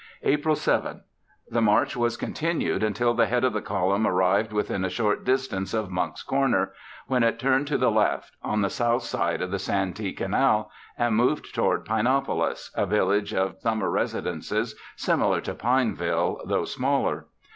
_ April 7. The march was continued until the head of the column arrived within a short distance of Monck's Corner, when it turned to the left, on the south side of the Santee Canal, and moved toward Pinopolis, a village of summer residences similar to Pineville, though smaller.